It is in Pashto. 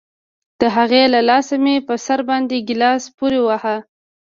د هغې له لاسه مې په سر باندې گيلاس پورې وواهه.